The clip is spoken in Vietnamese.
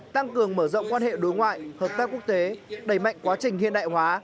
tăng cường mở rộng quan hệ đối ngoại hợp tác quốc tế đẩy mạnh quá trình hiện đại hóa